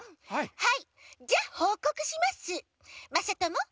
はい。